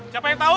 siapa yang tahu